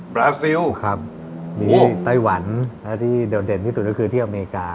บราซิลโอ๊ยว้าวมีไต้หวันอันนี้เดี่ยวเด่นที่สูงก็คือที่อเมริกา